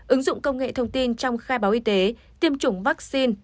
ứng dụng công nghệ thông tin trong khai báo y tế tiêm chủng vaccine